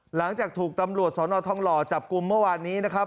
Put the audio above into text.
หลังจากถูกตำรวจสนทองหล่อจับกลุ่มเมื่อวานนี้นะครับ